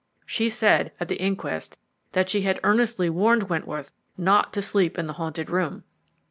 She said at the inquest that she had earnestly warned Wentworth not to sleep in the haunted room.